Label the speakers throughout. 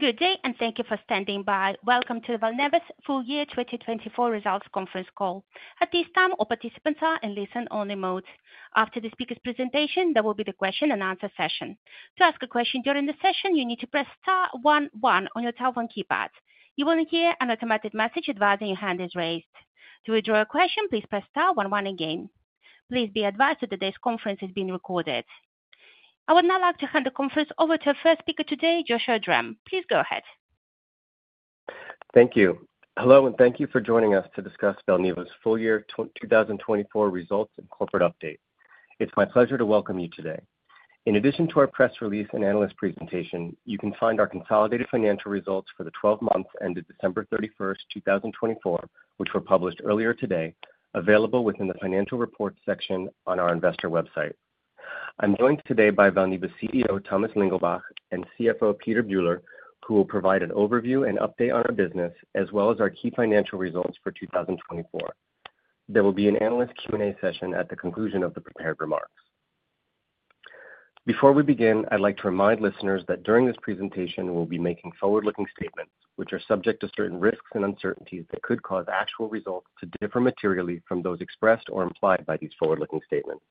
Speaker 1: Good day, and thank you for standing by. Welcome to Valneva's Full Year 2024 Results conference call. At this time, all participants are in listen-only mode. After the speaker's presentation, there will be the question-and-answer session. To ask a question during the session, you need to press star one one on your telephone keypad. You will hear an automated message advising your hand is raised. To withdraw a question, please press star one one again. Please be advised that today's conference is being recorded. I would now like to hand the conference over to our first speaker today, Joshua Drumm. Please go ahead.
Speaker 2: Thank you. Hello, and thank you for joining us to discuss Valneva's Full Year 2024 Results and corporate update. It's my pleasure to welcome you today. In addition to our press release and analyst presentation, you can find our consolidated financial results for the 12 months ended December 31, 2024, which were published earlier today, available within the financial reports section on our investor website. I'm joined today by Valneva CEO Thomas Lingelbach and CFO Peter Bühler, who will provide an overview and update on our business, as well as our key financial results for 2024. There will be an analyst Q&A session at the conclusion of the prepared remarks. Before we begin, I'd like to remind listeners that during this presentation, we'll be making forward-looking statements, which are subject to certain risks and uncertainties that could cause actual results to differ materially from those expressed or implied by these forward-looking statements.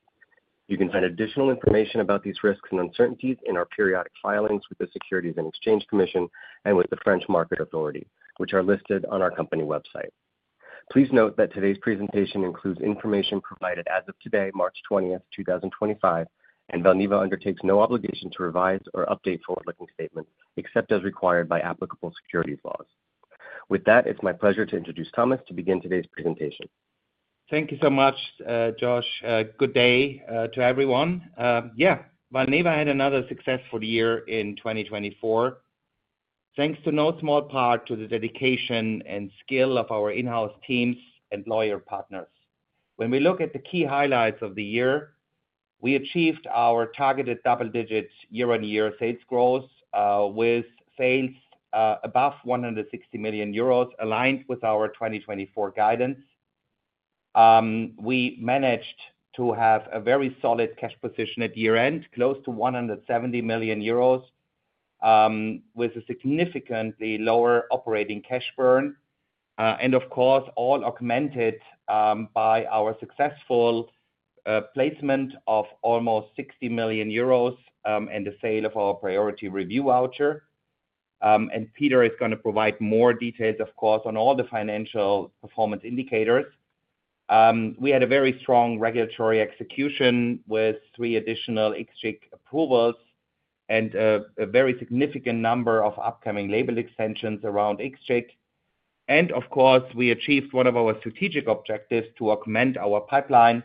Speaker 2: You can find additional information about these risks and uncertainties in our periodic filings with the Securities and Exchange Commission and with the French Market Authority, which are listed on our company website. Please note that today's presentation includes information provided as of today, March 20, 2025, and Valneva undertakes no obligation to revise or update forward-looking statements except as required by applicable securities laws. With that, it's my pleasure to introduce Thomas to begin today's presentation.
Speaker 3: Thank you so much, Josh. Good day to everyone. Yeah, Valneva had another successful year in 2024, thanks to no small part to the dedication and skill of our in-house teams and lawyer partners. When we look at the key highlights of the year, we achieved our targeted double-digit year-on-year sales growth with sales above 160 million euros, aligned with our 2024 guidance. We managed to have a very solid cash position at year-end, close to 170 million euros, with a significantly lower operating cash burn. Of course, all augmented by our successful placement of almost 60 million euros and the sale of our priority review voucher. Peter is going to provide more details, of course, on all the financial performance indicators. We had a very strong regulatory execution with three additional IXCHIQ approvals and a very significant number of upcoming label extensions around IXCHIQ. Of course, we achieved one of our strategic objectives to augment our pipeline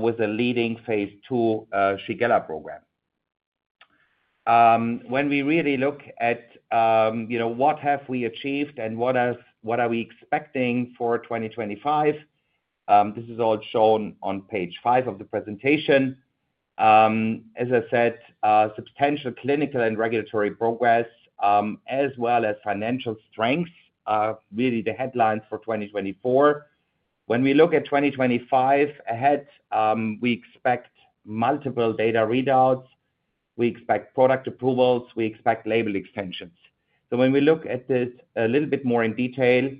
Speaker 3: with a leading phase II Shigella program. When we really look at what have we achieved and what are we expecting for 2025, this is all shown on page five of the presentation. As I said, substantial clinical and regulatory progress, as well as financial strengths, are really the headlines for 2024. When we look at 2025 ahead, we expect multiple data readouts. We expect product approvals. We expect label extensions. When we look at this a little bit more in detail,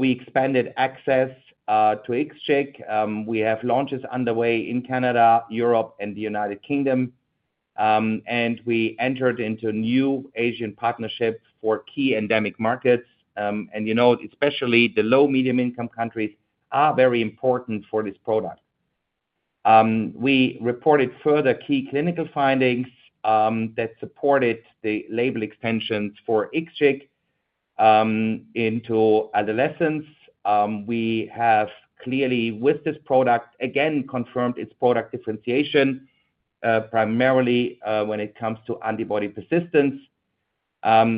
Speaker 3: we expanded access to IXCHIQ. We have launches underway in Canada, Europe, and the United Kingdom. We entered into new Asian partnerships for key endemic markets. You know, especially the low-medium-income countries are very important for this product. We reported further key clinical findings that supported the label extensions for IXCHIQ into adolescence. We have clearly, with this product, again confirmed its product differentiation, primarily when it comes to antibody persistence.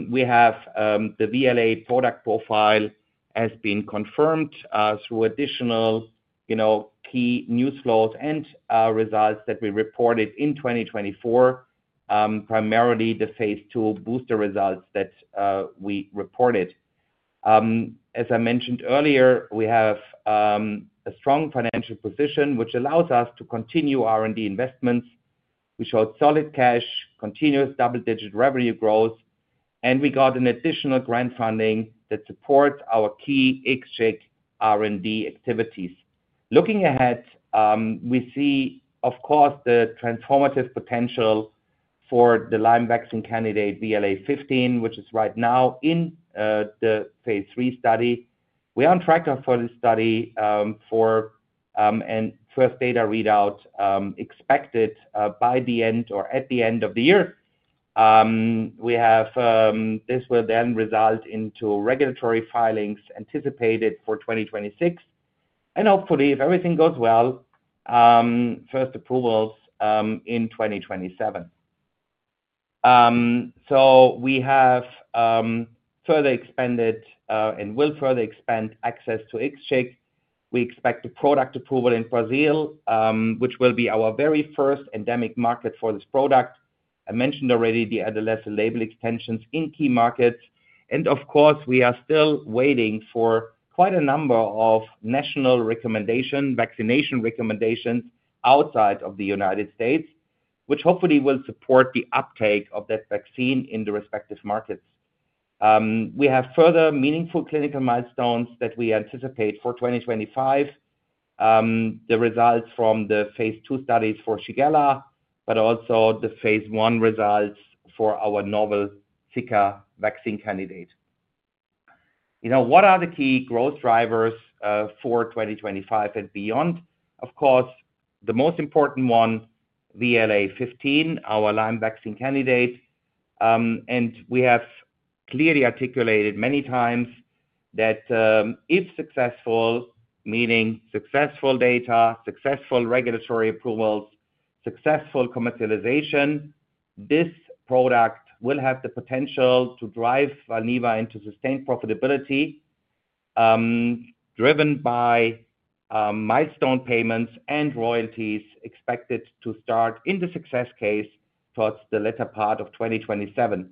Speaker 3: We have the VLA product profile has been confirmed through additional key news flows and results that we reported in 2024, primarily the phase II booster results that we reported. As I mentioned earlier, we have a strong financial position, which allows us to continue R&D investments. We showed solid cash, continuous double-digit revenue growth, and we got an additional grant funding that supports our key IXCHIQ R&D activities. Looking ahead, we see, of course, the transformative potential for the Lyme vaccine candidate VLA15, which is right now in the phase III study. We are on track for the study for a first data readout expected by the end or at the end of the year. This will then result in regulatory filings anticipated for 2026. Hopefully, if everything goes well, first approvals in 2027. We have further expanded and will further expand access to IXCHIQ. We expect a product approval in Brazil, which will be our very first endemic market for this product. I mentioned already the adolescent label extensions in key markets. Of course, we are still waiting for quite a number of national vaccination recommendations outside of the United States, which hopefully will support the uptake of that vaccine in the respective markets. We have further meaningful clinical milestones that we anticipate for 2025, the results from the phase II studies for Shigella, but also the phase I results for our novel Zika vaccine candidate. What are the key growth drivers for 2025 and beyond? Of course, the most important one, VLA15, our Lyme vaccine candidate. We have clearly articulated many times that if successful, meaning successful data, successful regulatory approvals, successful commercialization, this product will have the potential to drive Valneva into sustained profitability, driven by milestone payments and royalties expected to start in the success case towards the latter part of 2027.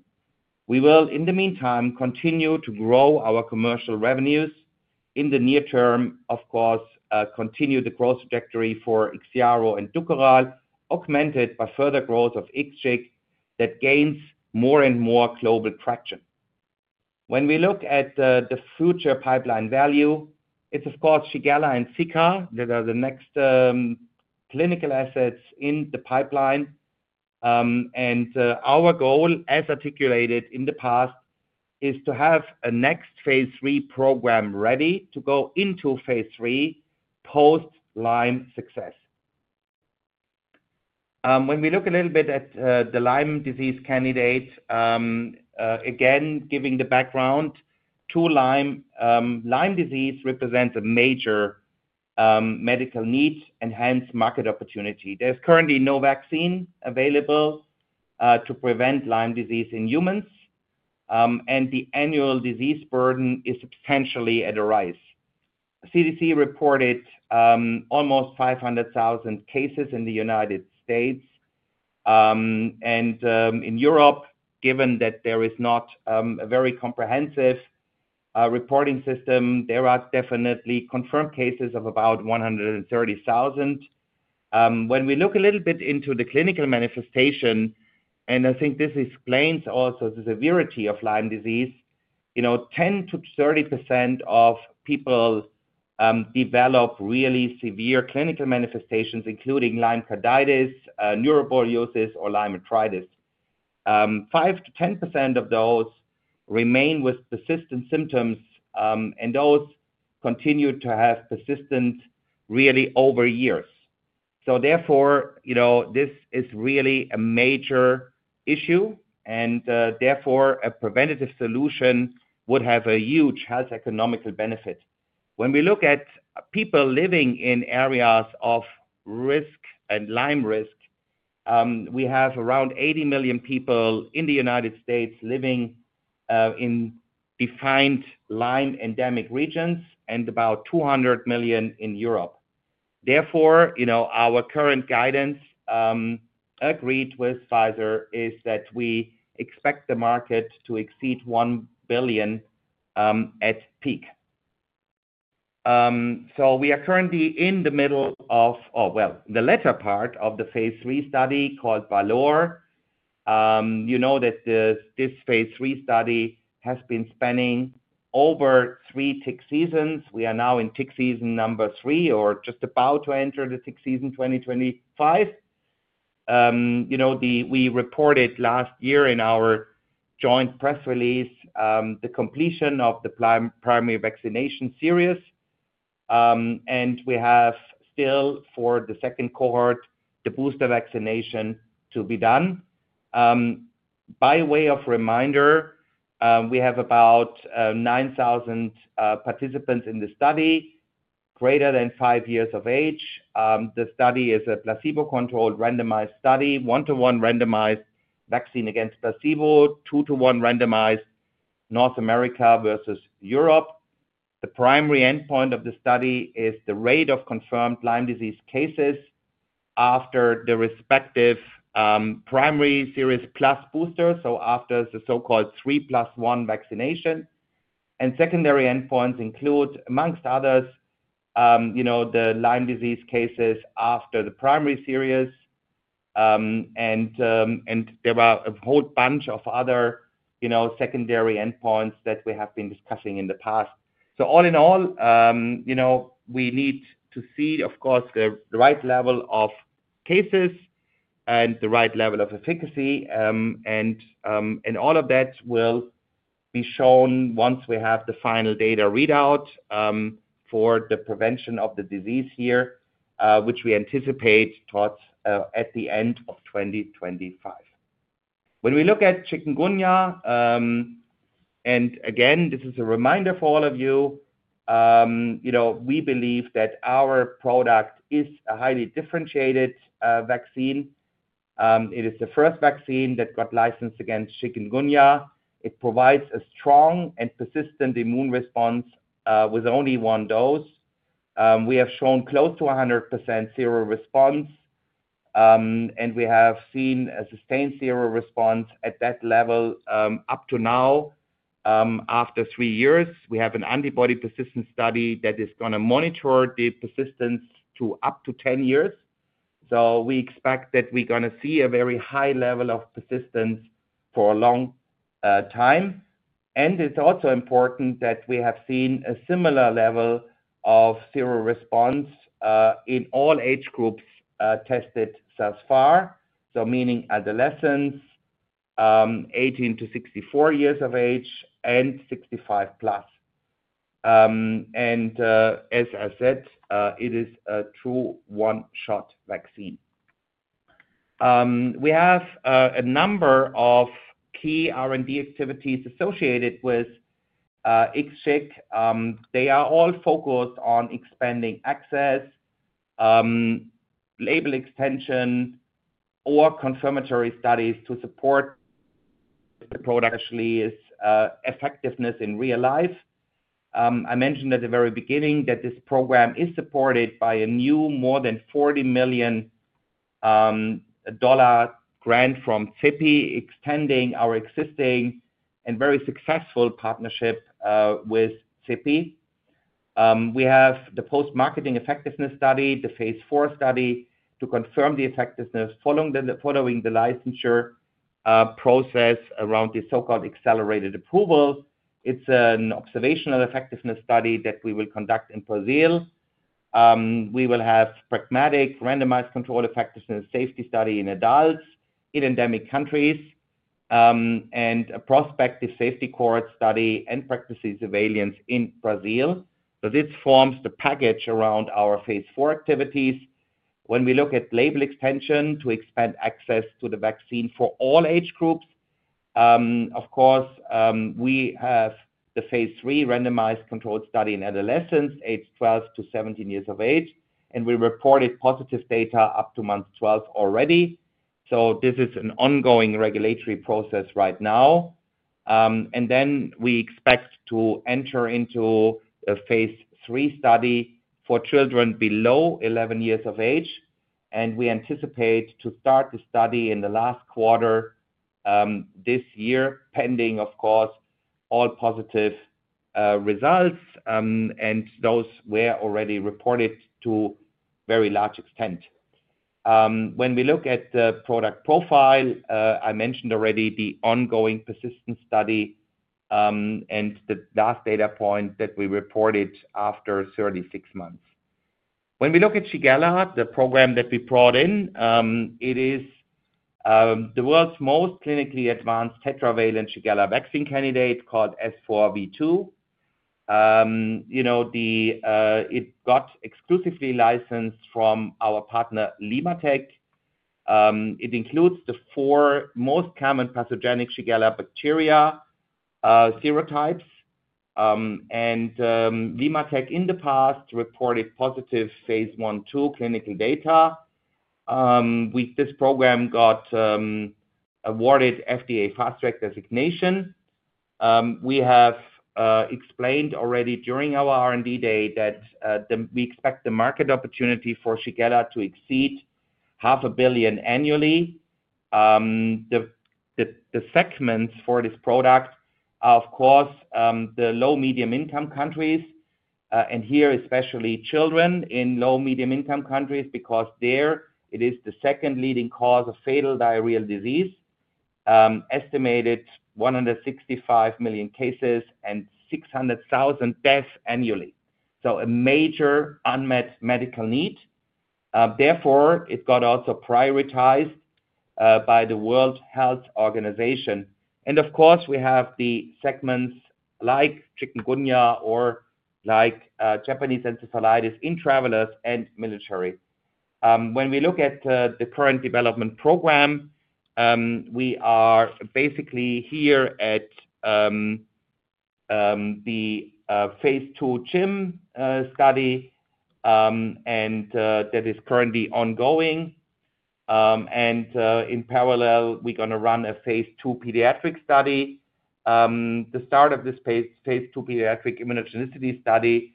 Speaker 3: We will, in the meantime, continue to grow our commercial revenues in the near term, of course, continue the growth trajectory for IXIARO and DUKORAL, augmented by further growth of IXCHIQ that gains more and more global traction. When we look at the future pipeline value, it is, of course, Shigella and Zika that are the next clinical assets in the pipeline. Our goal, as articulated in the past, is to have a next phase III program ready to go into phase III post-Lyme success. When we look a little bit at the Lyme disease candidate, again, giving the background to Lyme, Lyme disease represents a major medical need and hence market opportunity. There's currently no vaccine available to prevent Lyme disease in humans, and the annual disease burden is substantially at a rise. CDC reported almost 500,000 cases in the United States. In Europe, given that there is not a very comprehensive reporting system, there are definitely confirmed cases of about 130,000. When we look a little bit into the clinical manifestation, and I think this explains also the severity of Lyme disease, 10%-30% of people develop really severe clinical manifestations, including Lyme carditis, neuroborreliosis, or Lyme arthritis. 5%-10% of those remain with persistent symptoms, and those continue to have persistence really over years. Therefore, this is really a major issue, and therefore a preventative solution would have a huge health economical benefit. When we look at people living in areas of risk and Lyme risk, we have around 80 million people in the United States living in defined Lyme endemic regions and about 200 million in Europe. Therefore, our current guidance agreed with Pfizer is that we expect the market to exceed $1 billion at peak. We are currently in the middle of, oh, the latter part of the phase III study called VALOR. You know that this phase III study has been spanning over three tick seasons. We are now in tick season number three or just about to enter the tick season 2025. We reported last year in our joint press release the completion of the primary vaccination series. We have still, for the second cohort, the booster vaccination to be done. By way of reminder, we have about 9,000 participants in the study, greater than five years of age. The study is a placebo-controlled randomized study, one-to-one randomized vaccine against placebo, two-to-one randomized North America versus Europe. The primary endpoint of the study is the rate of confirmed Lyme disease cases after the respective primary series plus booster, so after the so-called three plus one vaccination. Secondary endpoints include, amongst others, the Lyme disease cases after the primary series. There were a whole bunch of other secondary endpoints that we have been discussing in the past. All in all, we need to see, of course, the right level of cases and the right level of efficacy. All of that will be shown once we have the final data readout for the prevention of the disease here, which we anticipate towards the end of 2025. When we look at chikungunya, and again, this is a reminder for all of you, we believe that our product is a highly differentiated vaccine. It is the first vaccine that got licensed against chikungunya. It provides a strong and persistent immune response with only one dose. We have shown close to 100% seroresponse, and we have seen a sustained seroresponse at that level up to now. After three years, we have an antibody persistence study that is going to monitor the persistence up to 10 years. We expect that we're going to see a very high level of persistence for a long time. It is also important that we have seen a similar level of seroresponse in all age groups tested thus far, meaning adolescents, 18-64 years of age, and 65+. As I said, it is a true one-shot vaccine. We have a number of key R&D activities associated with IXCHIQ. They are all focused on expanding access, label extension, or confirmatory studies to support the product's effectiveness in real life. I mentioned at the very beginning that this program is supported by a new more than $40 million grant from CEPI, extending our existing and very successful partnership with CEPI. We have the post-marketing effectiveness study, the phase IV study to confirm the effectiveness following the licensure process around the so-called accelerated approvals. It is an observational effectiveness study that we will conduct in Brazil. We will have pragmatic randomized control effectiveness safety study in adults in endemic countries and a prospective safety cohort study and practices surveillance in Brazil. This forms the package around our phase IV activities. When we look at label extension to expand access to the vaccine for all age groups, of course, we have the phase III randomized control study in adolescents, age 12 to 17 years of age, and we reported positive data up to month 12 already. This is an ongoing regulatory process right now. We expect to enter into a phase III study for children below 11 years of age. We anticipate to start the study in the last quarter this year, pending, of course, all positive results. Those were already reported to a very large extent. When we look at the product profile, I mentioned already the ongoing persistence study and the last data point that we reported after 36 months. When we look at Shigella, the program that we brought in, it is the world's most clinically advanced tetravalent Shigella vaccine candidate called S4V2. It got exclusively licensed from our partner, LimmaTech. It includes the four most common pathogenic Shigella bacteria serotypes. LimmaTech, in the past, reported positive phase I two clinical data. This program got awarded FDA Fast Track designation. We have explained already during our R&D day that we expect the market opportunity for Shigella to exceed $500,000,000 annually. The segments for this product are, of course, the low-medium income countries, and here especially children in low-medium income countries, because there it is the second leading cause of fatal diarrheal disease, estimated 165 million cases and 600,000 deaths annually. A major unmet medical need. Therefore, it got also prioritized by the World Health Organization. Of course, we have the segments like chikungunya or like Japanese encephalitis in travelers and military. When we look at the current development program, we are basically here at the phase II CHIM study that is currently ongoing. In parallel, we're going to run a phase II pediatric study. The start of this phase II pediatric immunogenicity study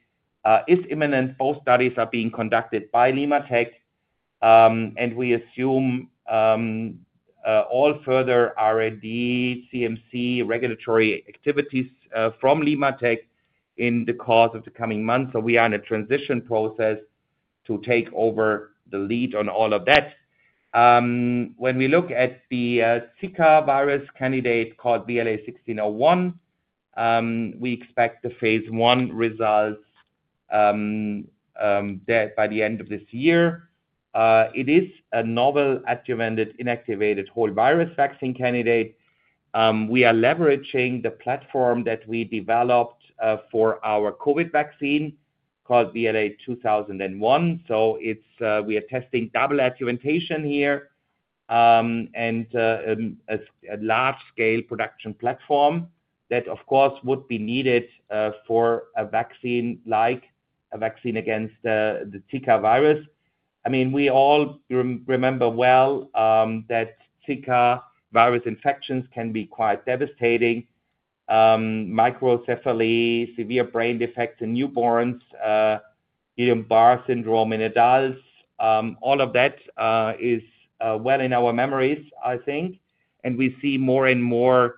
Speaker 3: is imminent. Both studies are being conducted by LimmaTech. We assume all further R&D, CMC, regulatory activities from LimmaTech in the course of the coming months. We are in a transition process to take over the lead on all of that. When we look at the Zika virus candidate called VLA1601, we expect the phase I results by the end of this year. It is a novel adjuvanted inactivated whole virus vaccine candidate. We are leveraging the platform that we developed for our COVID vaccine called VLA2001. We are testing double adjuvantation here and a large-scale production platform that, of course, would be needed for a vaccine like a vaccine against the Zika virus. I mean, we all remember well that Zika virus infections can be quite devastating. Microcephaly, severe brain defects in newborns, Guillain-Barré syndrome in adults, all of that is well in our memories, I think. We see more and more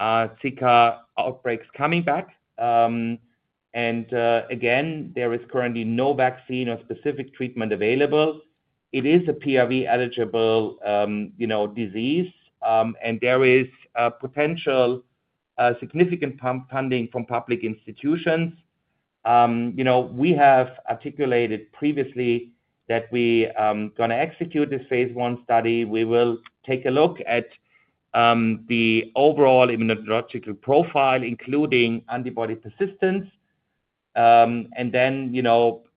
Speaker 3: Zika outbreaks coming back. There is currently no vaccine or specific treatment available. It is a PRV-eligible disease, and there is potential significant funding from public institutions. We have articulated previously that we are going to execute this phase I study. We will take a look at the overall immunological profile, including antibody persistence, and then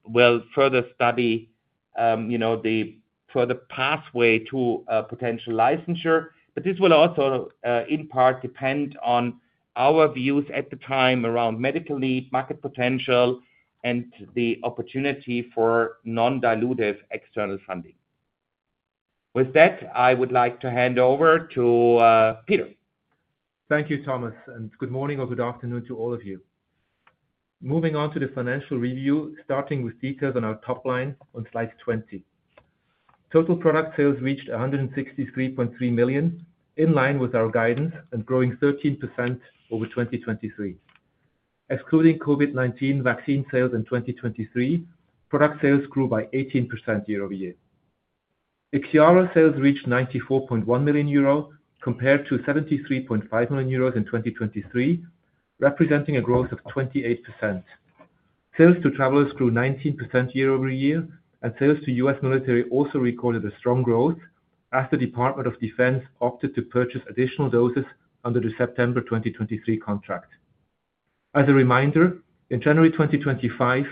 Speaker 3: we'll further study the further pathway to a potential licensure. This will also in part depend on our views at the time around medical need, market potential, and the opportunity for non-dilutive external funding. With that, I would like to hand over to Peter.
Speaker 4: Thank you, Thomas. Good morning or good afternoon to all of you. Moving on to the financial review, starting with details on our top line on slide 20. Total product sales reached 163.3 million, in line with our guidance and growing 13% over 2023. Excluding COVID-19 vaccine sales in 2023, product sales grew by 18% year-over-year. IXIARO sales reached 94.1 million euro, compared to 73.5 million euros in 2023, representing a growth of 28%. Sales to travelers grew 19% year-over-year, and sales to US military also recorded a strong growth as the US Department of Defense opted to purchase additional doses under the September 2023 contract. As a reminder, in January 2025,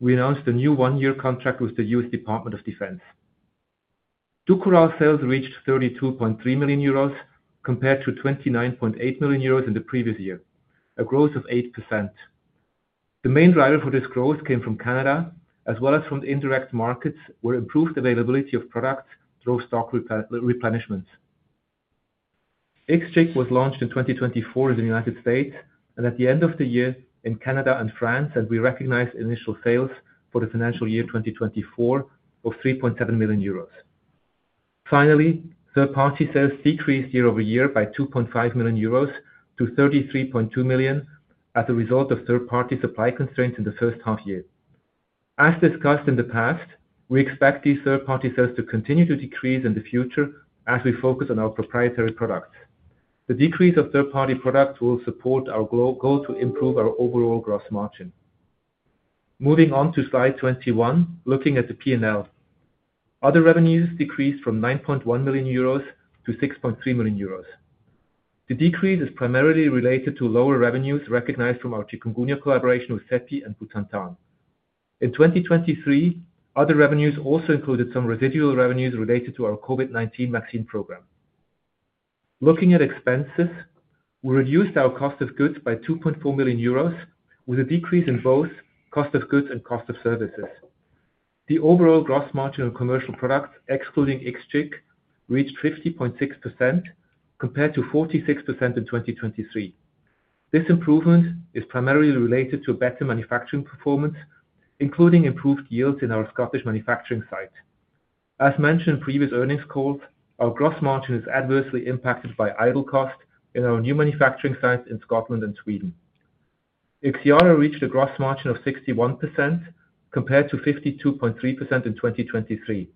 Speaker 4: we announced a new one-year contract with the U.S. Department of Defense. DUKORAL sales reached 32.3 million euros, compared to 29.8 million euros in the previous year, a growth of 8%. The main driver for this growth came from Canada, as well as from the indirect markets, where improved availability of products drove stock replenishments. IXCHIQ was launched in 2024 in the United States, and at the end of the year in Canada and France, and we recognized initial sales for the financial year 2024 of 3.7 million euros. Finally, third-party sales decreased year-over-year by 2.5 million euros to 33.2 million as a result of third-party supply constraints in the first half year. As discussed in the past, we expect these third-party sales to continue to decrease in the future as we focus on our proprietary products. The decrease of third-party products will support our goal to improve our overall gross margin. Moving on to slide 21, looking at the P&L. Other revenues decreased from 9.1 million euros to 6.3 million euros. The decrease is primarily related to lower revenues recognized from our chikungunya collaboration with CEPI and Butantan. In 2023, other revenues also included some residual revenues related to our COVID-19 vaccine program. Looking at expenses, we reduced our cost of goods by 2.4 million euros, with a decrease in both cost of goods and cost of services. The overall gross margin of commercial products, excluding IXCHIQ, reached 50.6%, compared to 46% in 2023. This improvement is primarily related to better manufacturing performance, including improved yields in our Scottish manufacturing site. As mentioned in previous earnings calls, our gross margin is adversely impacted by idle cost in our new manufacturing sites in Scotland and Sweden. IXIARO reached a gross margin of 61%, compared to 52.3% in 2023.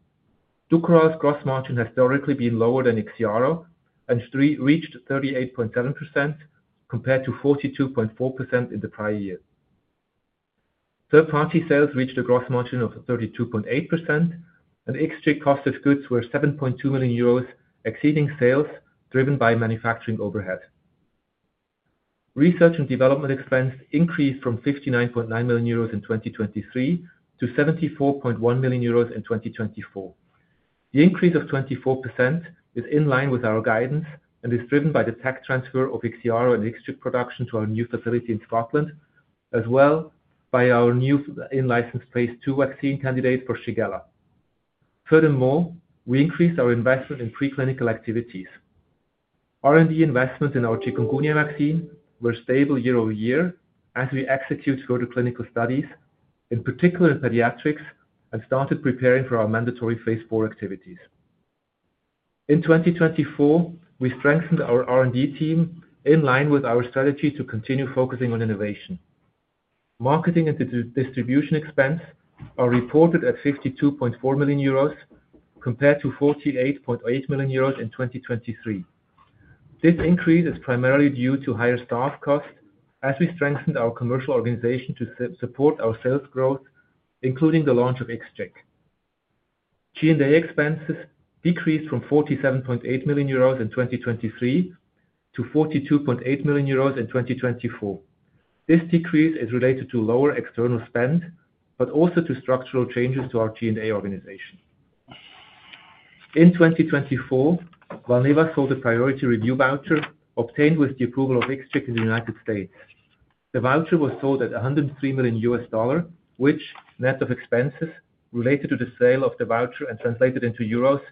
Speaker 4: DUKORAL's gross margin has directly been lower than IXIARO, and there reached 38.7%, compared to 42.4% in the prior year. Third-party sales reached a gross margin of 32.8%, and IXCHIQ cost of goods were 7.2 million euros, exceeding sales driven by manufacturing overhead. Research and development expenses increased from 59.9 million euros in 2023 to 74.1 million euros in 2024. The increase of 24% is in line with our guidance and is driven by the tech transfer of IXIARO and IXCHIQ production to our new facility in Scotland, as well as by our newly licensed phase II vaccine candidate for Shigella. Furthermore, we increased our investment in preclinical activities. R&D investments in our chikungunya vaccine were stable year-over-year as we execute further clinical studies, in particular in pediatrics, and started preparing for our mandatory phase IV activities. In 2024, we strengthened our R&D team in line with our strategy to continue focusing on innovation. Marketing and distribution expenses are reported at 52.4 million euros, compared to 48.8 million euros in 2023. This increase is primarily due to higher staff costs as we strengthened our commercial organization to support our sales growth, including the launch of IXCHIQ. G&A expenses decreased from 47.8 million euros in 2023 to 42.8 million euros in 2024. This decrease is related to lower external spend, but also to structural changes to our G&A organization. In 2024, Valneva sold a Priority Review Voucher obtained with the approval of IXCHIQ in the United States. The voucher was sold at $103 million, which, net of expenses related to the sale of the voucher and translated into euros,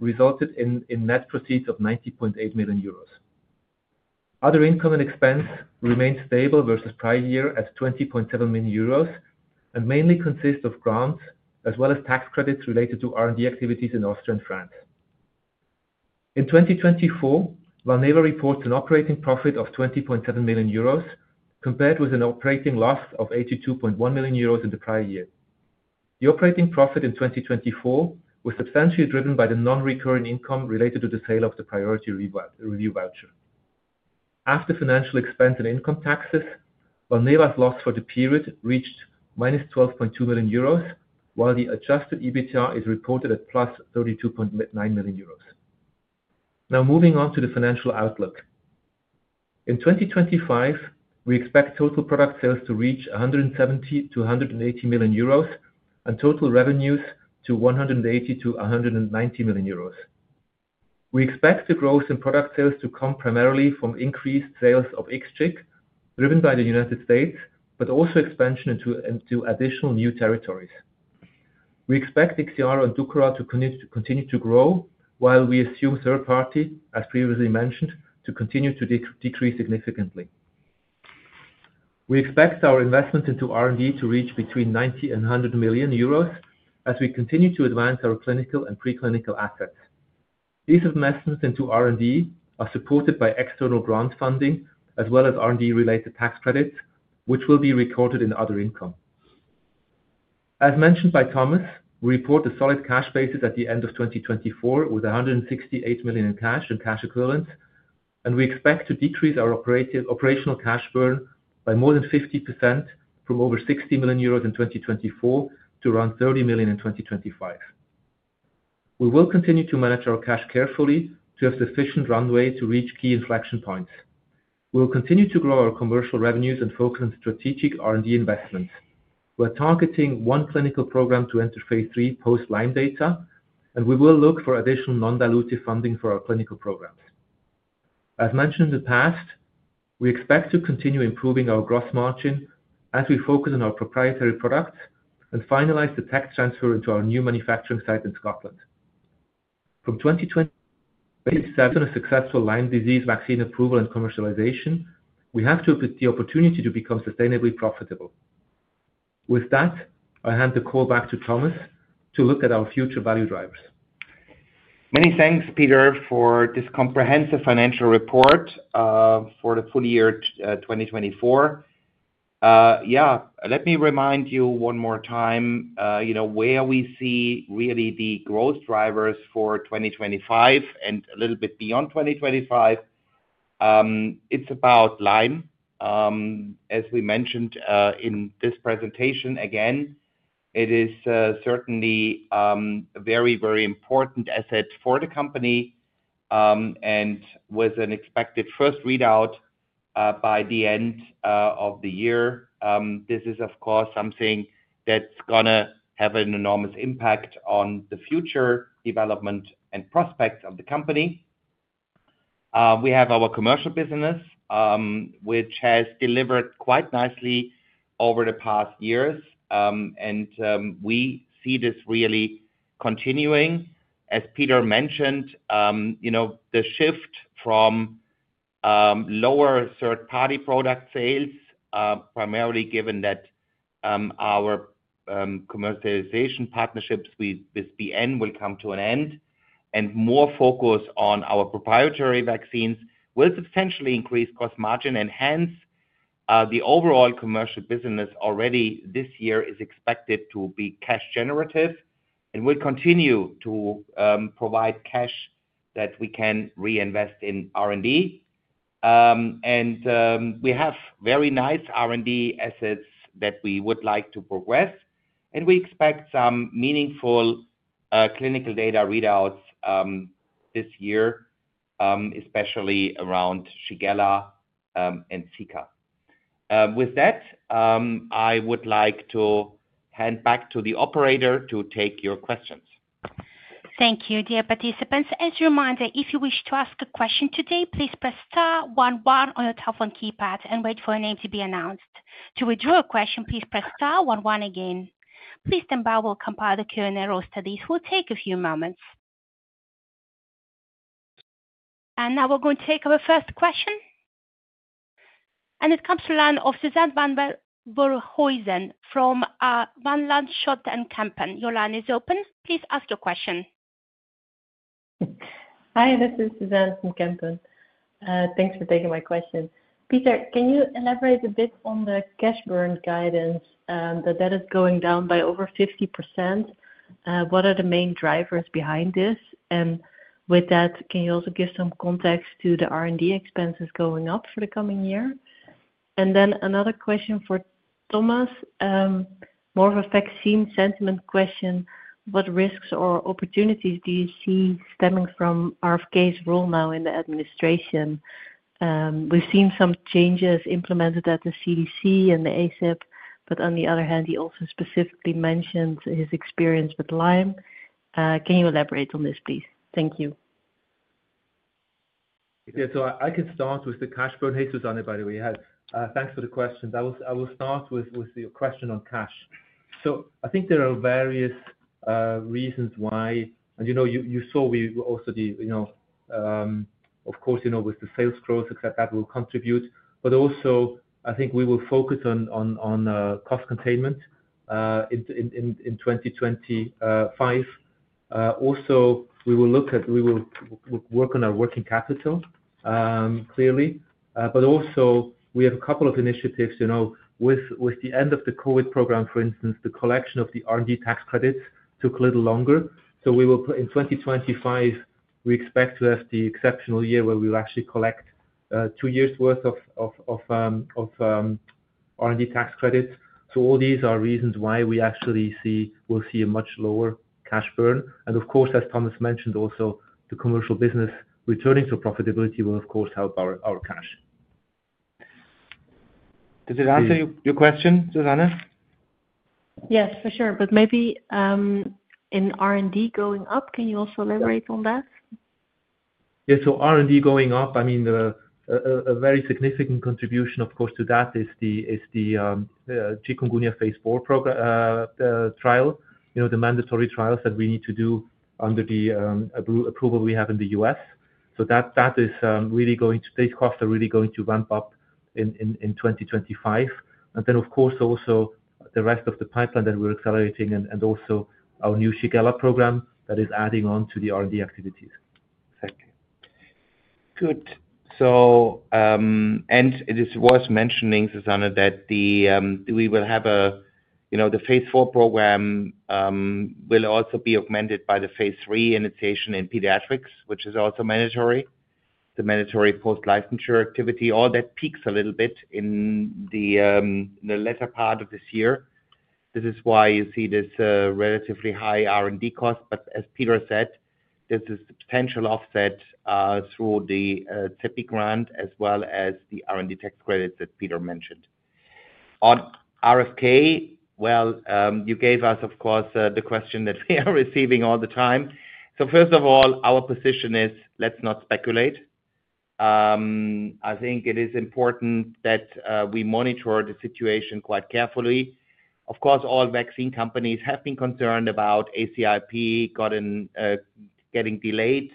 Speaker 4: resulted in net proceeds of 90.8 million euros. Other income and expense remained stable versus prior year at 20.7 million euros and mainly consist of grants as well as tax credits related to R&D activities in Austria and France. In 2024, Valneva reports an operating profit of 20.7 million euros, compared with an operating loss of 82.1 million euros in the prior year. The operating profit in 2024 was substantially driven by the non-recurring income related to the sale of the priority review voucher. After financial expense and income taxes, Valneva's loss for the period reached minus 12.2 million euros, while the adjusted EBITDA is reported at plus 32.9 million euros. Now, moving on to the financial outlook. In 2025, we expect total product sales to reach 170-180 million euros and total revenues to 180-190 million euros. We expect the growth in product sales to come primarily from increased sales of IXCHIQ driven by the United States, but also expansion into additional new territories. We expect IXIARO and DUKORAL to continue to grow, while we assume third party, as previously mentioned, to continue to decrease significantly. We expect our investments into R&D to reach between 90 million euros and 100 million euros as we continue to advance our clinical and preclinical assets. These investments into R&D are supported by external grant funding as well as R&D-related tax credits, which will be recorded in other income. As mentioned by Thomas, we report a solid cash basis at the end of 2024 with 168 million in cash and cash equivalents, and we expect to decrease our operational cash burn by more than 50% from over 60 million euros in 2024 to around 30 million in 2025. We will continue to manage our cash carefully to have sufficient runway to reach key inflection points. We will continue to grow our commercial revenues and focus on strategic R&D investments. We're targeting one clinical program to enter phase III post-Lyme data, and we will look for additional non-dilutive funding for our clinical programs. As mentioned in the past, we expect to continue improving our gross margin as we focus on our proprietary products and finalize the tech transfer into our new manufacturing site in Scotland. From 2020, based on a successful Lyme disease vaccine approval and commercialization, we have the opportunity to become sustainably profitable. With that, I hand the call back to Thomas to look at our future value drivers.
Speaker 3: Many thanks, Peter, for this comprehensive financial report for the full year 2024. Let me remind you one more time where we see really the growth drivers for 2025 and a little bit beyond 2025. It's about Lyme. As we mentioned in this presentation, again, it is certainly a very, very important asset for the company. With an expected first readout by the end of the year, this is, of course, something that's going to have an enormous impact on the future development and prospects of the company. We have our commercial business, which has delivered quite nicely over the past years, and we see this really continuing. As Peter mentioned, the shift from lower third-party product sales, primarily given that our commercialization partnerships with BN will come to an end, and more focus on our proprietary vaccines will substantially increase cost margin. Hence, the overall commercial business already this year is expected to be cash generative and will continue to provide cash that we can reinvest in R&D. We have very nice R&D assets that we would like to progress, and we expect some meaningful clinical data readouts this year, especially around Shigella and Zika. With that, I would like to hand back to the operator to take your questions.
Speaker 1: Thank you, dear participants. As a reminder, if you wish to ask a question today, please press star, one, one on your telephone keypad and wait for your name to be announced. To withdraw a question, please press star, one, one again. Please stand by while we compile the Q&A roll studies. It will take a few moments. Now we are going to take our first question. It comes from Suzanne van Voorthuizen from Van Lanschot Kempen. Your line is open. Please ask your question.
Speaker 5: Hi, this is Suzanne from Kempen. Thanks for taking my question. Peter, can you elaborate a bit on the cash burn guidance that is going down by over 50%? What are the main drivers behind this? With that, can you also give some context to the R&D expenses going up for the coming year? Another question for Thomas, more of a vaccine sentiment question. What risks or opportunities do you see stemming from RFK's role now in the administration? We've seen some changes implemented at the CDC and the ACIP, but on the other hand, he also specifically mentioned his experience with Lyme. Can you elaborate on this, please? Thank you.
Speaker 4: Yeah, so I can start with the cash burn. Hey, Suzanne, by the way. Thanks for the question. I will start with your question on cash. I think there are various reasons why, and you saw also the, of course, with the sales growth, et cetera, that will contribute. I think we will focus on cost containment in 2025. Also, we will look at, we will work on our working capital clearly. We have a couple of initiatives. With the end of the COVID program, for instance, the collection of the R&D tax credits took a little longer. In 2025, we expect to have the exceptional year where we will actually collect two years worth of R&D tax credits. All these are reasons why we actually will see a much lower cash burn. Of course, as Thomas mentioned, also the commercial business returning to profitability will, of course, help our cash.
Speaker 3: Does it answer your question, Suzanne?
Speaker 5: Yes, for sure. Maybe in R&D going up, can you also elaborate on that?
Speaker 4: Yeah, so R&D going up, I mean, a very significant contribution, of course, to that is the chikungunya phase IV trial, the mandatory trials that we need to do under the approval we have in the U.S.. That is really going to, these costs are really going to ramp up in 2025. Of course, also the rest of the pipeline that we're accelerating and also our new Shigella program that is adding on to the R&D activities. Thank you.
Speaker 3: Good. It was mentioning, Suzanne, that we will have the phase IV program will also be augmented by the phase III initiation in pediatrics, which is also mandatory, the mandatory post-licensure activity. All that peaks a little bit in the later part of this year. This is why you see this relatively high R&D cost. As Peter said, this is the potential offset through the CEPI grant as well as the R&D tax credits that Peter mentioned. On RFK, you gave us, of course, the question that we are receiving all the time. First of all, our position is, let's not speculate. I think it is important that we monitor the situation quite carefully. Of course, all vaccine companies have been concerned about ACIP getting delayed,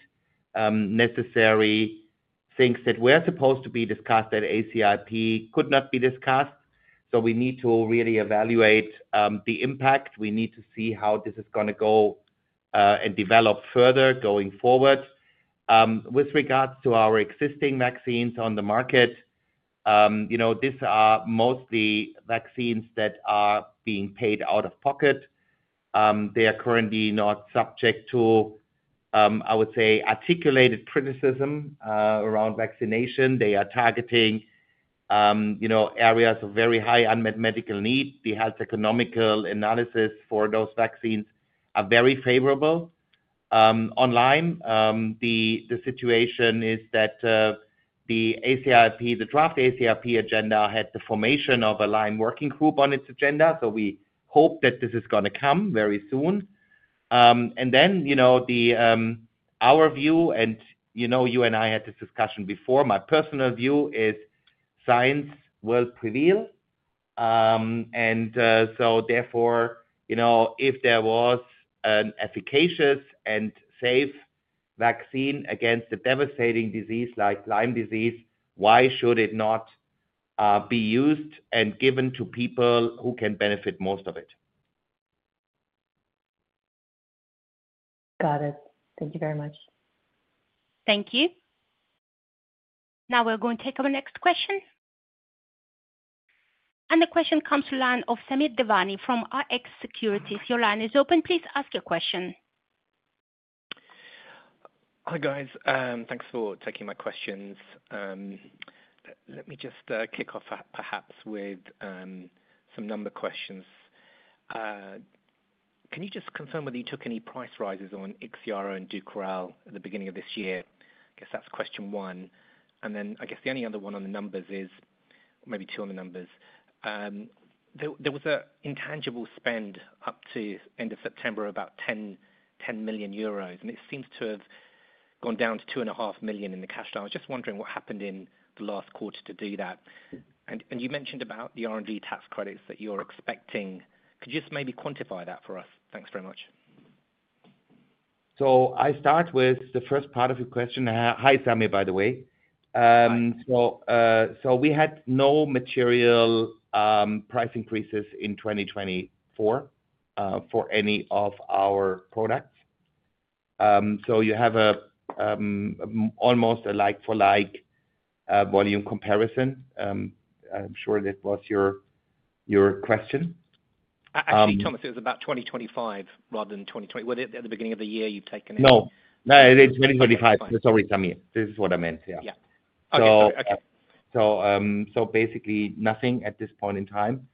Speaker 3: necessary things that were supposed to be discussed at ACIP could not be discussed. We need to really evaluate the impact. We need to see how this is going to go and develop further going forward. With regards to our existing vaccines on the market, these are mostly vaccines that are being paid out of pocket. They are currently not subject to, I would say, articulated criticism around vaccination. They are targeting areas of very high unmet medical need. The health economical analysis for those vaccines is very favorable. On Lyme, the situation is that the ACIP, the draft ACIP agenda had the formation of a Lyme working group on its agenda. We hope that this is going to come very soon. In our view, and you and I had this discussion before, my personal view is science will prevail. If there was an efficacious and safe vaccine against a devastating disease like Lyme disease, why should it not be used and given to people who can benefit most of it?
Speaker 5: Got it. Thank you very much.
Speaker 1: Thank you. Now we're going to take our next question. The question comes from Samir Devani from Rx Securities. Your line is open. Please ask your question.
Speaker 6: Hi guys. Thanks for taking my questions. Let me just kick off perhaps with some number questions. Can you just confirm whether you took any price rises on IXIARO and DUKORAL at the beginning of this year? I guess that's question one. I guess the only other one on the numbers is, or maybe two on the numbers. There was an intangible spend up to end of September of about 10 million euros, and it seems to have gone down to 2.5 million in the cash down. I was just wondering what happened in the last quarter to do that. You mentioned about the R&D tax credits that you're expecting. Could you just maybe quantify that for us? Thanks very much.
Speaker 3: I start with the first part of your question. Hi, Samir, by the way. We had no material price increases in 2024 for any of our products. You have almost a like-for-like volume comparison. I'm sure that was your question.
Speaker 6: Actually, Thomas, it was about 2025 rather than 2020. Was it at the beginning of the year you've taken it?
Speaker 3: No. No, it's 2025. Sorry, Samir. This is what I meant. Yeah.
Speaker 6: Yeah. Okay.
Speaker 3: Basically nothing at this point in time.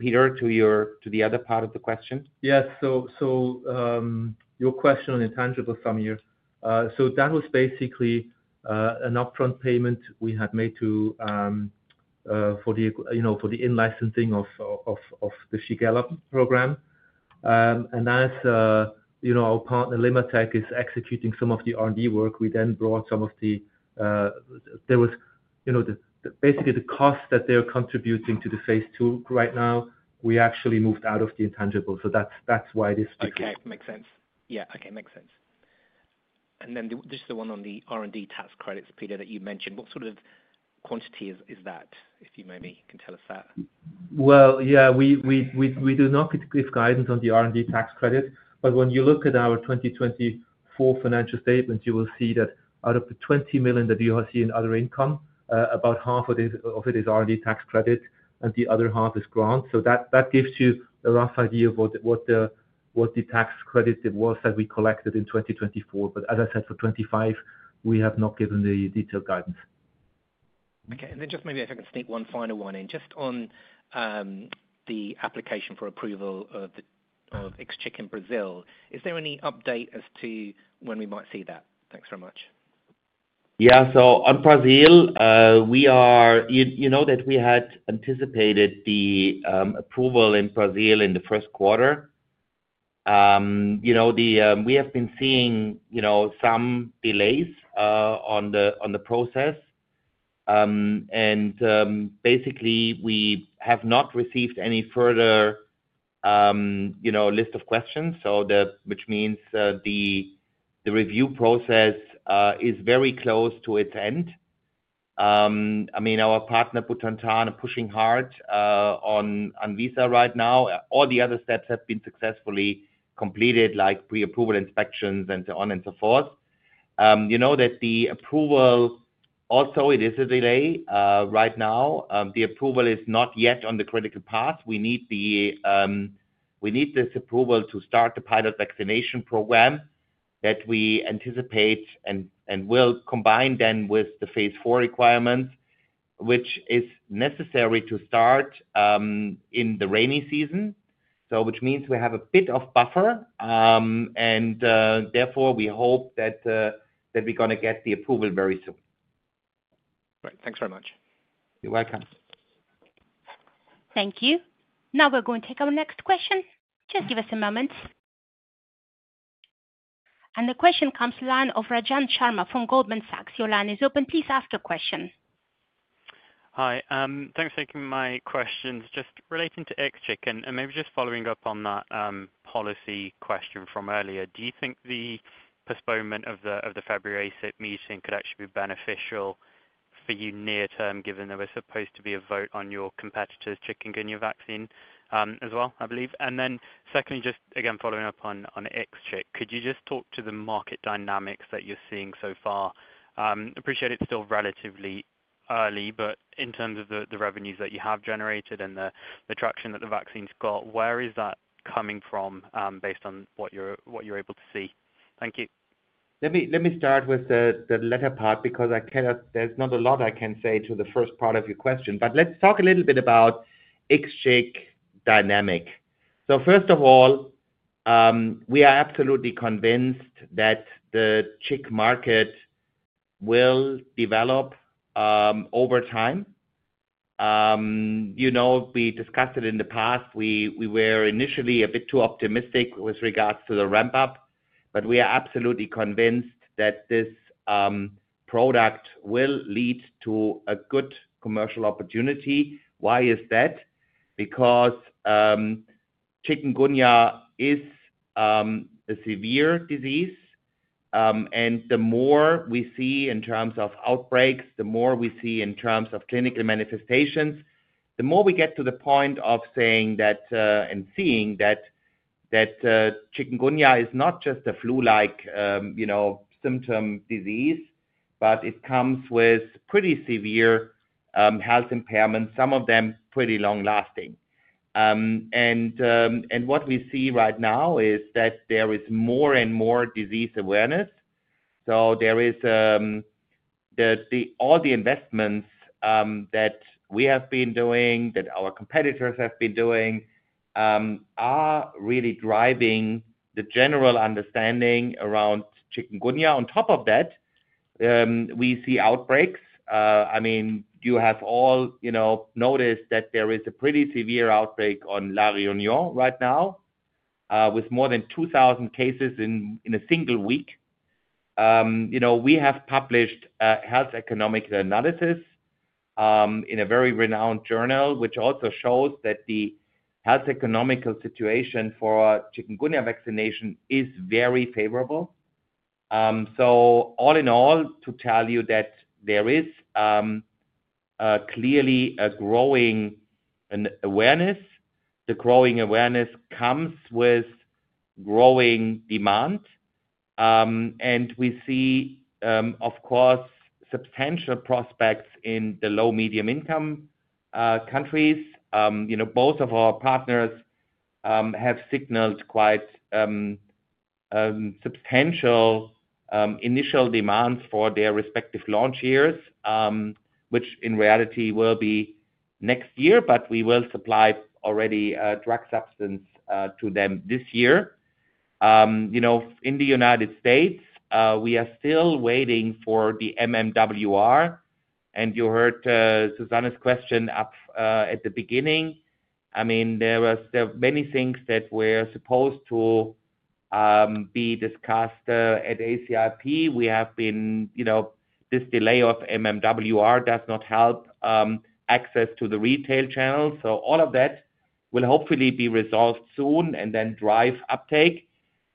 Speaker 3: Peter, to the other part of the question.
Speaker 4: Yes. Your question on intangible, Samir. That was basically an upfront payment we had made for the in-licensing of the Shigella program. As our partner LimmaTech is executing some of the R&D work, we then brought some of the, there was basically the cost that they're contributing to the phase II right now, we actually moved out of the intangible. That is why this became.
Speaker 6: Okay. Makes sense. Yeah. Okay. Makes sense. And then just the one on the R&D tax credits, Peter, that you mentioned, what sort of quantity is that, if you maybe can tell us that?
Speaker 4: Yeah, we do not give guidance on the R&D tax credit. When you look at our 2024 financial statements, you will see that out of the 20 million that you see in other income, about half of it is R&D tax credit, and the other half is grants. That gives you a rough idea of what the tax credit was that we collected in 2024. As I said, for 2025, we have not given the detailed guidance.
Speaker 6: Okay. And then just maybe if I can sneak one final one in, just on the application for approval of IXCHIQ in Brazil, is there any update as to when we might see that? Thanks very much.
Speaker 3: Yeah. On Brazil, you know that we had anticipated the approval in Brazil in the first quarter. We have been seeing some delays on the process. Basically, we have not received any further list of questions, which means the review process is very close to its end. I mean, our partner Butantan are pushing hard on Anvisa right now. All the other steps have been successfully completed, like pre-approval inspections and so on and so forth. You know that the approval, also, it is a delay right now. The approval is not yet on the critical path. We need this approval to start the pilot vaccination program that we anticipate and will combine then with the phase IV requirements, which is necessary to start in the rainy season, which means we have a bit of buffer. Therefore, we hope that we're going to get the approval very soon.
Speaker 6: Right. Thanks very much.
Speaker 3: You're welcome.
Speaker 1: Thank you. Now we're going to take our next question. Just give us a moment. The question comes from Lane of Rajan Sharma from Goldman Sachs. Your line is open. Please ask your question.
Speaker 7: Hi. Thanks for taking my questions. Just relating to IXCHIQ, and maybe just following up on that policy question from earlier, do you think the postponement of the February ACIP meeting could actually be beneficial for you near-term, given there was supposed to be a vote on your competitor's chikungunya vaccine as well, I believe? Secondly, just again following up on IXCHIQ, could you just talk to the market dynamics that you're seeing so far? Appreciate it's still relatively early, but in terms of the revenues that you have generated and the traction that the vaccine's got, where is that coming from based on what you're able to see? Thank you.
Speaker 3: Let me start with the later part because there's not a lot I can say to the first part of your question. Let's talk a little bit about IXCHIQ dynamic. First of all, we are absolutely convinced that the chik market will develop over time. We discussed it in the past. We were initially a bit too optimistic with regards to the ramp-up, but we are absolutely convinced that this product will lead to a good commercial opportunity. Why is that? Because chikungunya is a severe disease, and the more we see in terms of outbreaks, the more we see in terms of clinical manifestations, the more we get to the point of saying that and seeing that chikungunya is not just a flu-like symptom disease, but it comes with pretty severe health impairments, some of them pretty long-lasting. What we see right now is that there is more and more disease awareness. All the investments that we have been doing, that our competitors have been doing, are really driving the general understanding around chikungunya. On top of that, we see outbreaks. I mean, you have all noticed that there is a pretty severe outbreak on La Réunion right now with more than 2,000 cases in a single week. We have published a health economical analysis in a very renowned journal, which also shows that the health economical situation for chikungunya vaccination is very favorable. All in all, there is clearly a growing awareness. The growing awareness comes with growing demand. We see, of course, substantial prospects in the low-medium income countries. Both of our partners have signaled quite substantial initial demands for their respective launch years, which in reality will be next year, but we will supply already a drug substance to them this year. In the United States, we are still waiting for the MMWR. You heard Suzanne's question at the beginning. I mean, there were many things that were supposed to be discussed at ACIP. We have been this delay of MMWR does not help access to the retail channel. All of that will hopefully be resolved soon and then drive uptake.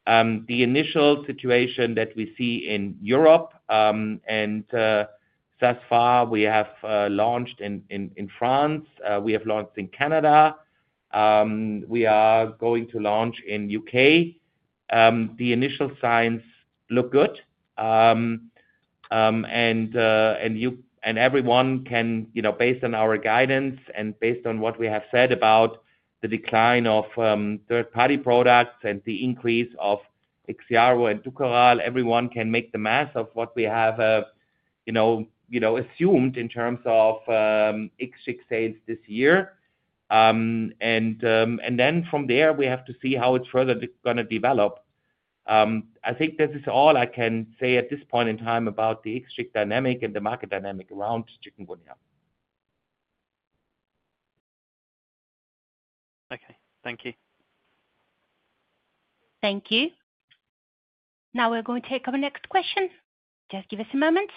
Speaker 3: The initial situation that we see in Europe, and thus far, we have launched in France. We have launched in Canada. We are going to launch in the U.K. The initial signs look good. Everyone can, based on our guidance and based on what we have said about the decline of third-party products and the increase of IXIARO and DUKORAL, everyone can make the math of what we have assumed in terms of IXCHIQ sales this year. From there, we have to see how it's further going to develop. I think this is all I can say at this point in time about the IXCHIQ dynamic and the market dynamic around chikungunya.
Speaker 7: Okay. Thank you.
Speaker 1: Thank you. Now we're going to take our next question. Just give us a moment.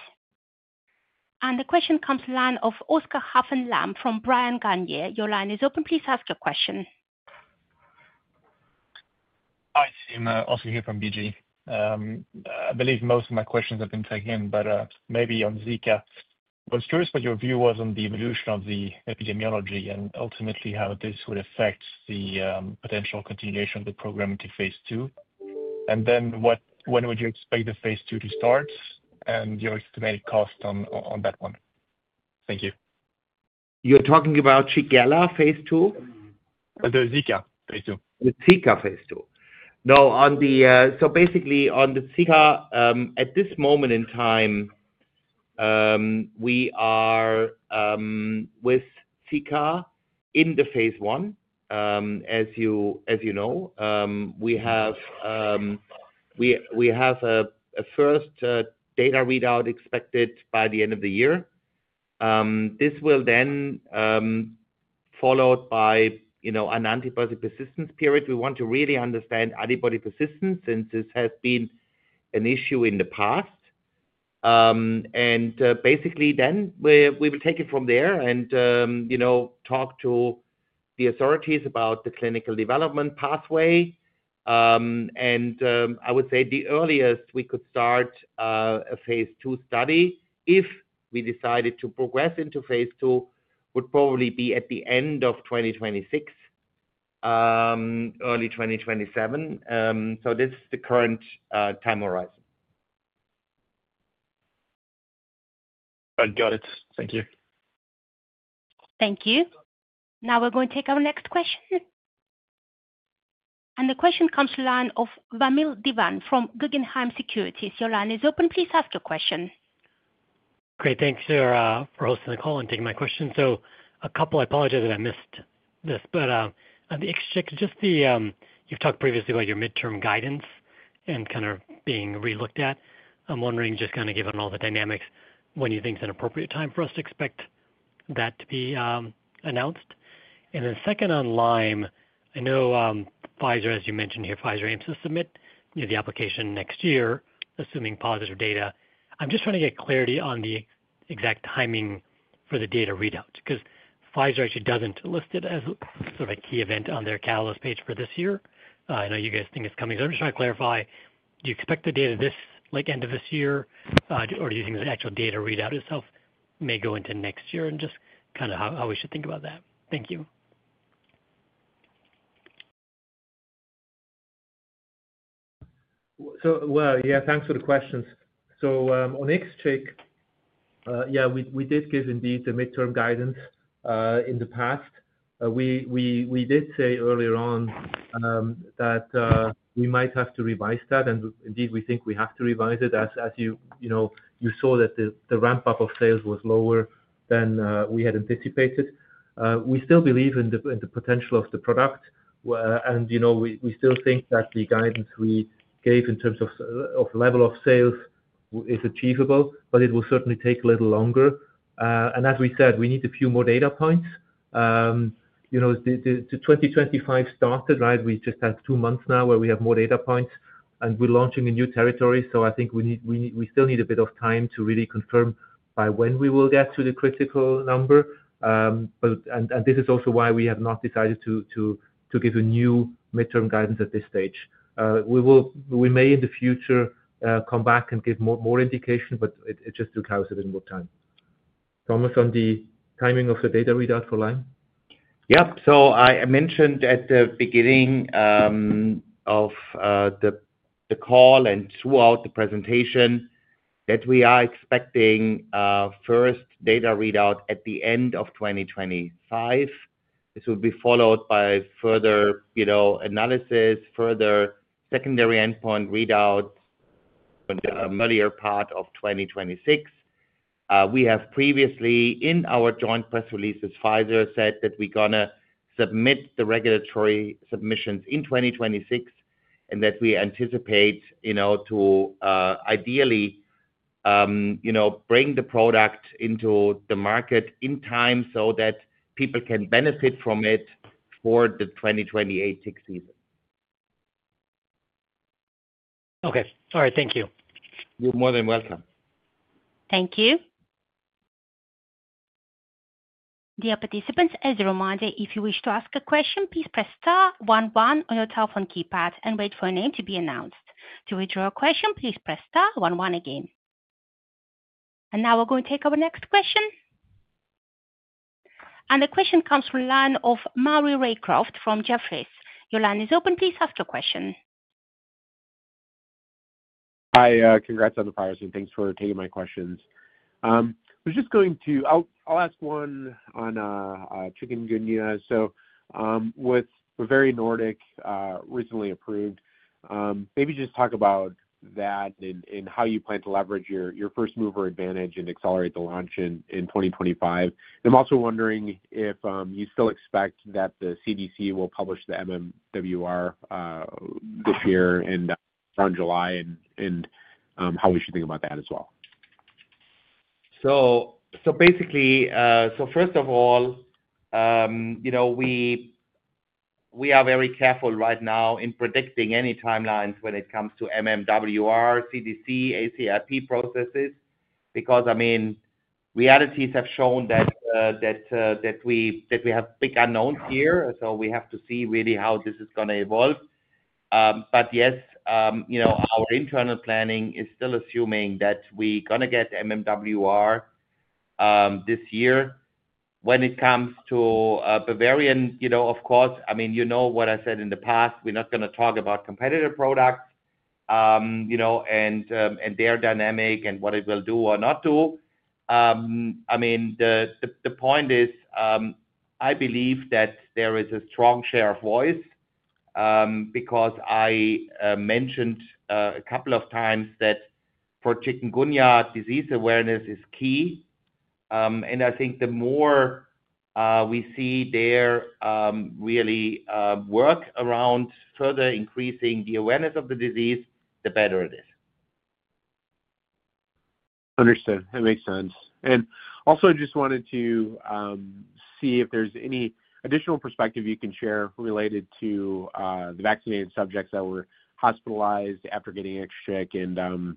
Speaker 1: The question comes from Lane of Oscar Haffen Lamm from Bryan, Garnier. Your line is open. Please ask your question.
Speaker 8: Hi, team. Oscar from BG. I believe most of my questions have been taken in, but maybe on Zika. I was curious what your view was on the evolution of the epidemiology and ultimately how this would affect the potential continuation of the program into phase II. When would you expect the phase II to start and your estimated cost on that one? Thank you.
Speaker 3: You're talking about Shigella phase II?
Speaker 8: The Zika phase II.
Speaker 3: The Zika phase II. No. Basically, on the Zika, at this moment in time, we are with Zika in the phase I, as you know. We have a first data readout expected by the end of the year. This will then be followed by an antibody persistence period. We want to really understand antibody persistence since this has been an issue in the past. Basically, then we will take it from there and talk to the authorities about the clinical development pathway. I would say the earliest we could start a phase II study, if we decided to progress into phase II, would probably be at the end of 2026, early 2027. This is the current time horizon.
Speaker 8: I got it. Thank you.
Speaker 1: Thank you. Now we're going to take our next question. The question comes from line of Vamil Divan from Guggenheim Securities. Your line is open. Please ask your question.
Speaker 9: Great. Thanks for hosting the call and taking my question. A couple—I apologize that I missed this—but on the IXCHIQ, just the—you've talked previously about your midterm guidance and kind of being relooked at. I'm wondering, just kind of given all the dynamics, when do you think is an appropriate time for us to expect that to be announced? Second, on Lyme, I know Pfizer, as you mentioned here, Pfizer aims to submit the application next year, assuming positive data. I'm just trying to get clarity on the exact timing for the data readout because Pfizer actually doesn't list it as sort of a key event on their catalog page for this year. I know you guys think it's coming. I'm just trying to clarify. Do you expect the data this end of this year, or do you think the actual data readout itself may go into next year and just kind of how we should think about that? Thank you.
Speaker 4: Yeah, thanks for the questions. On IXCHIQ, we did give indeed the midterm guidance in the past. We did say earlier on that we might have to revise that, and indeed, we think we have to revise it. As you saw, the ramp-up of sales was lower than we had anticipated. We still believe in the potential of the product, and we still think that the guidance we gave in terms of level of sales is achievable, but it will certainly take a little longer. As we said, we need a few more data points. The 2025 started, right? We just had two months now where we have more data points, and we're launching a new territory. I think we still need a bit of time to really confirm by when we will get to the critical number. This is also why we have not decided to give a new midterm guidance at this stage. We may in the future come back and give more indication, but it just took us a bit more time. Thomas, on the timing of the data readout for Lyme?
Speaker 3: Yep. I mentioned at the beginning of the call and throughout the presentation that we are expecting the first data readout at the end of 2025. This will be followed by further analysis, further secondary endpoint readouts in the earlier part of 2026. We have previously, in our joint press releases, Pfizer said that we're going to submit the regulatory submissions in 2026 and that we anticipate to ideally bring the product into the market in time so that people can benefit from it for the 2028.
Speaker 9: Okay. All right. Thank you.
Speaker 4: You're more than welcome.
Speaker 1: Thank you. Dear participants, as a reminder, if you wish to ask a question, please press star one one on your telephone keypad and wait for your name to be announced. To withdraw a question, please press star one one again. We are going to take our next question. The question comes from line of Maury Raycroft from Jefferies. Your line is open. Please ask your question.
Speaker 10: Hi. Congrats on the priority. Thanks for taking my questions. I'm just going to ask one on chikungunya. With Bavarian Nordic recently approved, maybe just talk about that and how you plan to leverage your first mover advantage and accelerate the launch in 2025. I'm also wondering if you still expect that the CDC will publish the MMWR this year and around July and how we should think about that as well.
Speaker 3: First of all, we are very careful right now in predicting any timelines when it comes to MMWR, CDC, ACIP processes because, I mean, realities have shown that we have big unknowns here. We have to see really how this is going to evolve. Yes, our internal planning is still assuming that we're going to get MMWR this year. When it comes to Bavarian, of course, I mean, you know what I said in the past, we're not going to talk about competitor products and their dynamic and what it will do or not do. The point is I believe that there is a strong share of voice because I mentioned a couple of times that for chikungunya, disease awareness is key. I think the more we see their really work around further increasing the awareness of the disease, the better it is.
Speaker 10: Understood. That makes sense. I just wanted to see if there's any additional perspective you can share related to the vaccinated subjects that were hospitalized after getting IXCHIQ and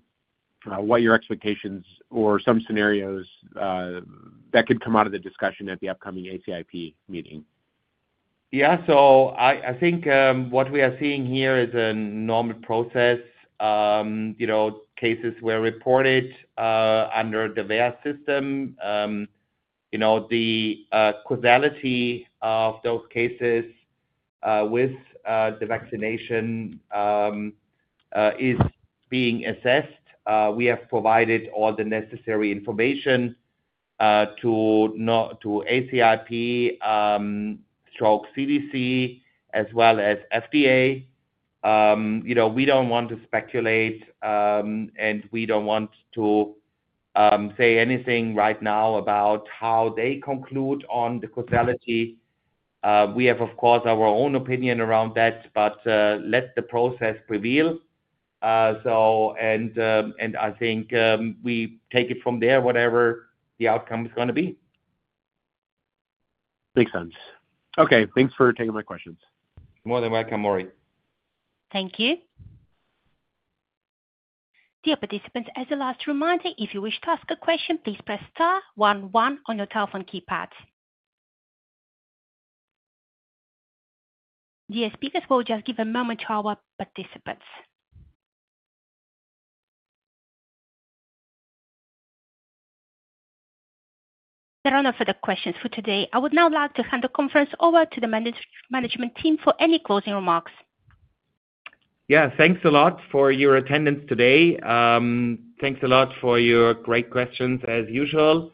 Speaker 10: what your expectations or some scenarios that could come out of the discussion at the upcoming ACIP meeting.
Speaker 3: Yeah. I think what we are seeing here is a normal process. Cases were reported under the VAERS system. The causality of those cases with the vaccination is being assessed. We have provided all the necessary information to ACIP, CDC, as well as FDA. We do not want to speculate, and we do not want to say anything right now about how they conclude on the causality. We have, of course, our own opinion around that, but let the process prevail. I think we take it from there, whatever the outcome is going to be.
Speaker 10: Makes sense. Okay. Thanks for taking my questions.
Speaker 4: You're more than welcome, Maury.
Speaker 1: Thank you. Dear participants, as a last reminder, if you wish to ask a question, please press star one one on your telephone keypad. Dear speakers, we'll just give a moment to our participants. There are no further questions for today. I would now like to hand the conference over to the management team for any closing remarks.
Speaker 3: Yeah. Thanks a lot for your attendance today. Thanks a lot for your great questions, as usual.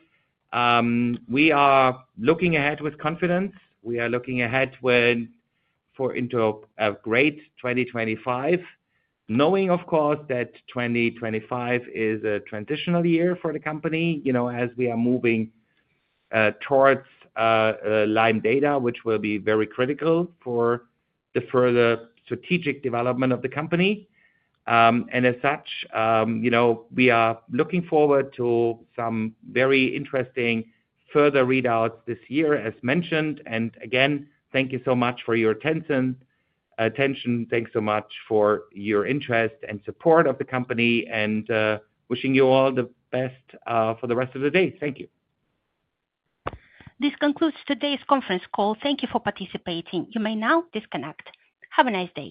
Speaker 3: We are looking ahead with confidence. We are looking ahead into a great 2025, knowing, of course, that 2025 is a transitional year for the company as we are moving towards Lyme data, which will be very critical for the further strategic development of the company. As such, we are looking forward to some very interesting further readouts this year, as mentioned. Again, thank you so much for your attention. Thanks so much for your interest and support of the company and wishing you all the best for the rest of the day. Thank you.
Speaker 1: This concludes today's conference call. Thank you for participating. You may now disconnect. Have a nice day.